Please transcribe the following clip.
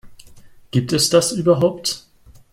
Gibt es das überhaupt?